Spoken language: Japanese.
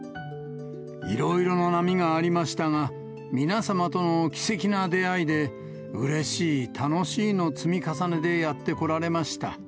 いろいろな波がありましたが、皆様との奇跡な出会いでうれしい、楽しいの積み重ねでやってこられました。